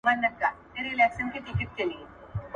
څو ملګري د مزله